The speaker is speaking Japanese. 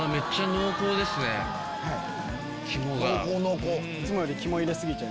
濃厚濃厚！